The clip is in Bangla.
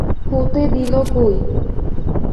হতে দিল কই?